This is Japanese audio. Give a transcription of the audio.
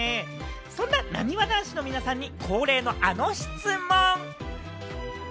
そんな、なにわ男子の皆さんに恒例のあの質問。